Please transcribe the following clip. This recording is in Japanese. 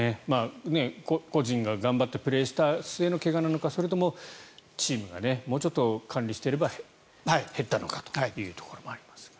個人が頑張ってプレーした末の怪我なのかそれともチームがもうちょっと管理していれば減ったのかというところもありますが。